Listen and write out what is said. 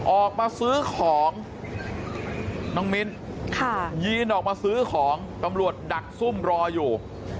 ออกมาซื้อของน้องมิ้นยีนออกมาซื้อของตำรวจดักซุ่มรออยู่